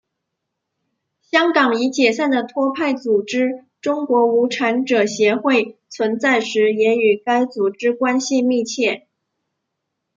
香港已解散的托派组织中国无产者协会存在时也与该组织关系密切。